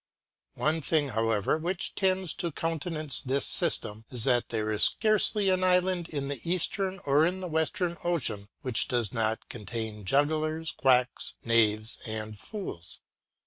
One thing, however, which tends to countenance this system is that there is scarcely an island in the Eastern or in the Western Ocean which does not contain jugglers, quacks, knaves and fools.